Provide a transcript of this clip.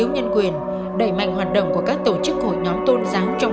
nêu lực trình cụ thể